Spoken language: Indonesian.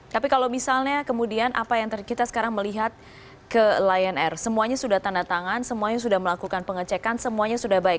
tapi kalau misalnya kemudian apa yang kita sekarang melihat ke lion air semuanya sudah tanda tangan semuanya sudah melakukan pengecekan semuanya sudah baik